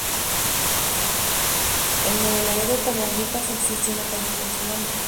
En Nuevo Laredo, Tamaulipas existe una calle con su nombre.